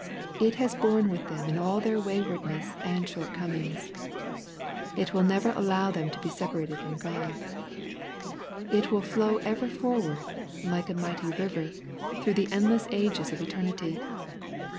It has borne with them in all their waywardness and shortcomings. It will never allow them to be separated from God. It will flow ever forward, like a mighty river, through the endless ages of eternity.